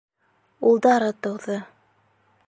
Улдары тыуҙы.